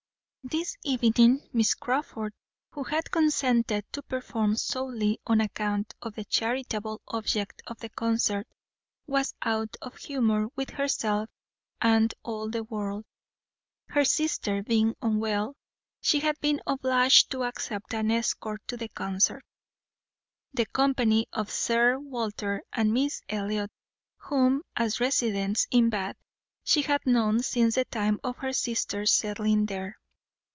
This evening, Miss Crawford, who had consented to perform solely on account of the charitable object of the concert, was out of humour with herself and all the world. Her sister being unwell, she had been obliged to accept an escort to the concert, the company of Sir Walter and Miss Elliot, whom, as residents in Bath, she had known since the time of her sister's settling there.